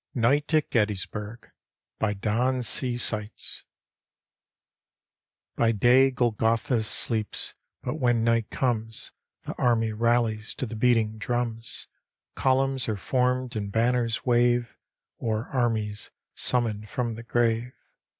NIGHT AT GETTYSBURG : don c. sbttz By day Golgotha deeps, but when nig^t comes The army rallies to the beating drums ; O^umns are formed and banners wave O'er armies summoned from the grave.